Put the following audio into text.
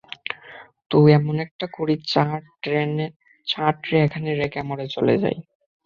তো এমনটা করি, চা ট্রে এখানে রেখে আমরা চলে যাই।